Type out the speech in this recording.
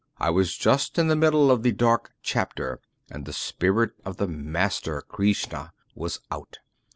I was just in the middle of the ' Dark Chapter ' and the spirit of the Master, Krishna, was out.